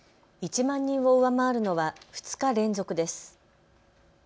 １万人を上回るのは２日連続です。